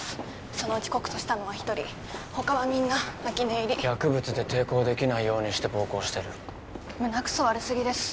そのうち告訴したのは一人他はみんな泣き寝入り薬物で抵抗できないようにして暴行してる胸くそ悪すぎです